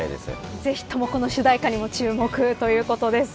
ぜひともこの主題歌にも注目ということです。